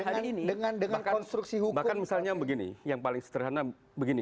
hari ini dengan dengan konstruksi hukum bahkan misalnya begini yang paling sederhana begini